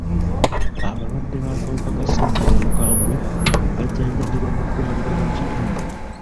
Abalwadde b'akawuka ka ssenyiga omukambwe bajjanjabirwa mu ddwaliro ly'ekitundu.